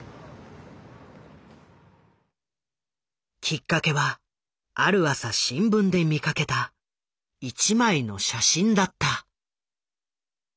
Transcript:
きっかけはある朝新聞で見かけた一枚の写真だった。